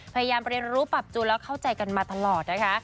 พยายามเรียนรู้ปรับจูนแล้วเข้าใจกันมาตลอดนะคะ